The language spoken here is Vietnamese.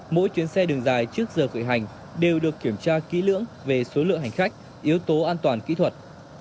mỗi chuyến xe đường dài trước giờ khởi hành đều được kiểm tra kỹ lưỡng về số lượng hành khách yếu tố an toàn kỹ thuật